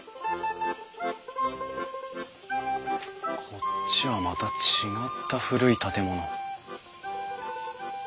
こっちはまた違った古い建物。